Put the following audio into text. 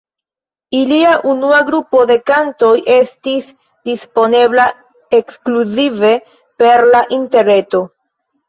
Ilia unua grupo de kantoj estis disponebla ekskluzive per la interreto.